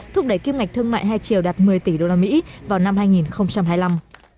thúc đẩy kim ngạch thương mại hai triều đạt một mươi tỷ usd vào năm hai nghìn hai mươi năm